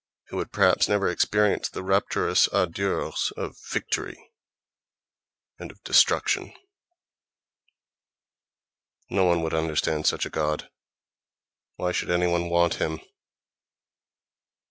who had perhaps never experienced the rapturous ardeurs of victory and of destruction? No one would understand such a god: why should any one want him?